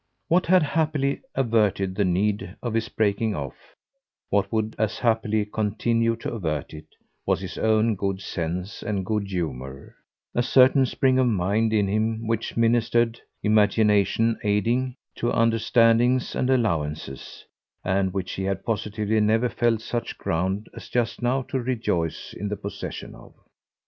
What had happily averted the need of his breaking off, what would as happily continue to avert it, was his own good sense and good humour, a certain spring of mind in him which ministered, imagination aiding, to understandings and allowances and which he had positively never felt such ground as just now to rejoice in the possession of.